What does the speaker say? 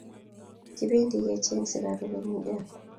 Kipendi ke cheng sukaruk en Uganda